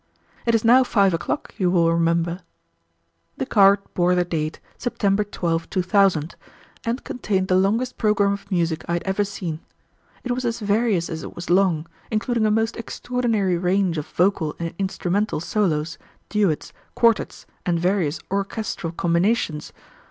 It is now five o'clock, you will remember." The card bore the date "September 12, 2000," and contained the longest programme of music I had ever seen. It was as various as it was long, including a most extraordinary range of vocal and instrumental solos, duets, quartettes, and various orchestral combinations.